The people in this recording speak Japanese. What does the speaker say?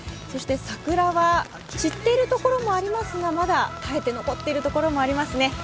そして桜は散っている所もありますが、まだ耐えて残っている所もありますね。